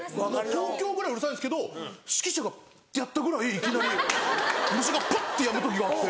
東京ぐらいうるさいんですけど指揮者がってやったぐらいいきなり虫がぱってやむ時があって。